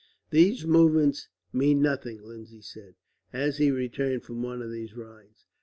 "These movements mean nothing," Lindsay said, as he returned from one of these rides.